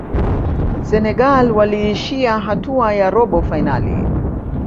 senegal waliishia hatua ya robo fainali